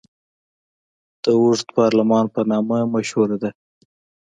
د اوږد پارلمان په نامه مشهوره ده.